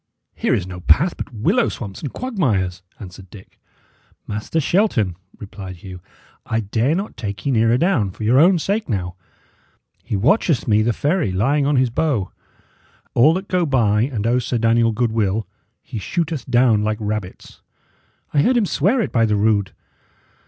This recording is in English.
"Here is no path but willow swamps and quagmires," answered Dick. "Master Shelton," replied Hugh, "I dare not take ye nearer down, for your own sake now. He watcheth me the ferry, lying on his bow. All that go by and owe Sir Daniel goodwill, he shooteth down like rabbits. I heard him swear it by the rood.